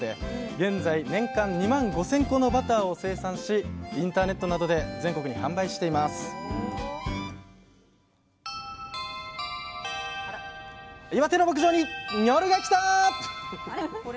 現在年間２万５，０００個のバターを生産しインターネットなどで全国に販売していますあれ？